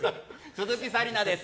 鈴木紗理奈です！